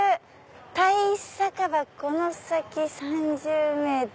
「タイ酒場この先３０ｍ」。